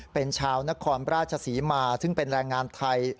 เป็นชาวนครราชศรีมาซึ่งเป็นแรงงานไทย